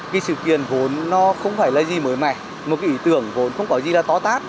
cái sự kiện vốn nó không phải là gì mới mẻ một cái ý tưởng vốn không có gì là tó tác